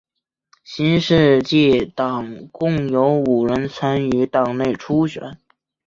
新世界党共有五人参与党内初选。